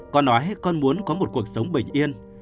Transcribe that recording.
con nói hết con muốn có một cuộc sống bình yên